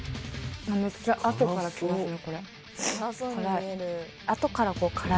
めっちゃあとから来ますね